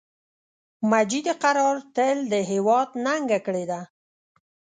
مجید قرار تل د هیواد ننګه کړی ده